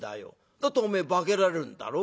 だっておめえ化けられるんだろう？